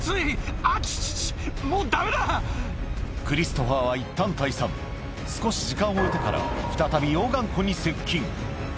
クリストファーはいったん退散少し時間を置いてからすごい！